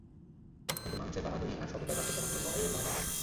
কিন্তু মানুষের বাহাদুরী আর সততার বাস্তব প্রমাণ হল লড়াইয়ের ময়দান।